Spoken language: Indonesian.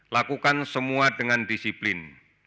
lakukan semua dengan disiplin